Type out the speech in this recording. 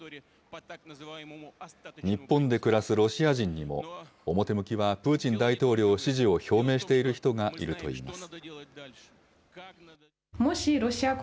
日本で暮らすロシア人にも、表向きはプーチン大統領支持を表明している人がいるといいます。